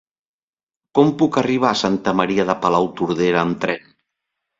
Com puc arribar a Santa Maria de Palautordera amb tren?